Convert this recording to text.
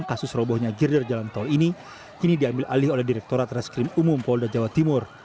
kasus robohnya girder jalan tol ini kini diambil alih oleh direkturat reskrim umum polda jawa timur